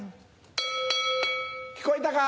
聞こえたか？